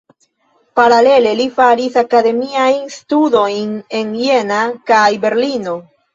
Paralele li faris akademiajn studojn en Jena kaj Berlino.